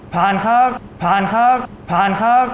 ผ่านครับผ่านครับผ่านครับ